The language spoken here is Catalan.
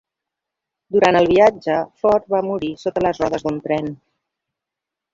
Durant el viatge, Ford va morir sota les rodes d'un tren.